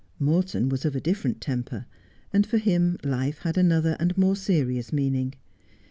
Morton was of a different temper, and for him life had another and more serious meaning.